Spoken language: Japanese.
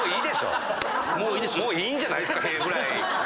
もういいんじゃないっすか屁ぐらい。